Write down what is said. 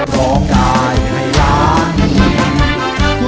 ร้องได้ให้ล้าน